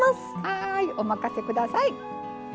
はいお任せ下さい。